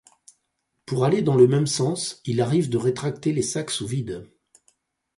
Pour aller dans le même sens, il arrive de rétracter les sacs sous vide.